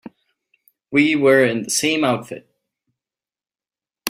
We were in the same outfit.